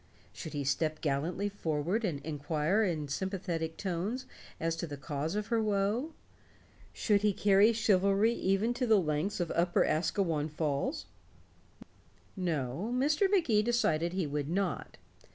Should he step gallantly forward and inquire in sympathetic tones as to the cause of her woe? Should he carry chivalry even to the lengths of Upper Asquewan Falls? No, Mr. Magee decided he would not.